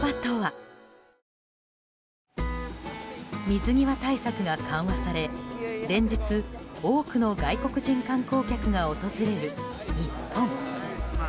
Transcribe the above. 水際対策が緩和され連日、多くの外国人観光客が訪れる日本。